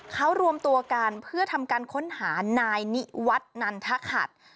เขารวมตัวกันเพื่อทำการค้นหานายนิวัฒน์นันทขัด